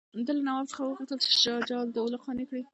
ده له نواب څخه وغوښتل چې شجاع الدوله قانع کړي.